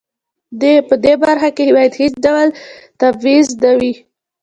په دې برخه کې باید هیڅ ډول تبعیض نه وي.